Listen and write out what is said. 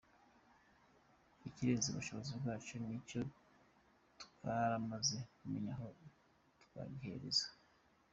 Ikirenze ubushobozi bwacu na cyo twaramaze kumenya aho twagihereza.